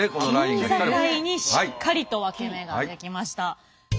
県境にしっかりとワケメができました。